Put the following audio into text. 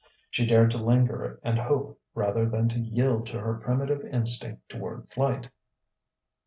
She dared to linger and hope rather than to yield to her primitive instinct toward flight.